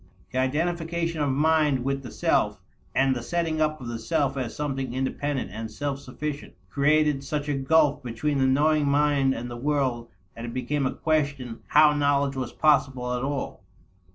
The identification of mind with the self, and the setting up of the self as something independent and self sufficient, created such a gulf between the knowing mind and the world that it became a question how knowledge was possible at all.